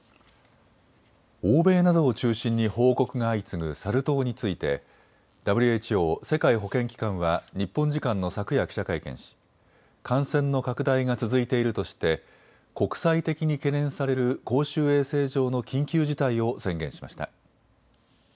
欧米などを中心に報告が相次ぐサル痘についてＷＨＯ・世界保健機関は日本時間の昨夜、記者会見し感染の拡大が続いているとして国際的に懸念される公衆衛生上の緊急事態を宣言しました。